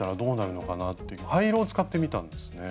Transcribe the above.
灰色を使ってみたんですね。